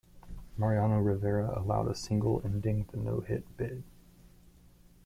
Mariano Rivera allowed a single, ending the no-hit bid.